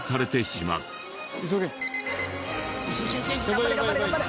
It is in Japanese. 頑張れ頑張れ頑張れ！